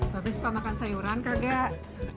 bebe suka makan sayuran kagak